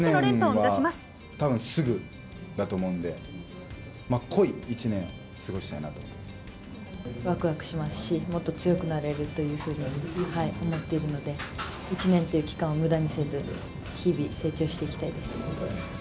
１年はたぶんすぐだと思うんで、わくわくしますし、もっと強くなれるというふうに思っているので、１年という期間をむだにせず、日々成長していきたいです。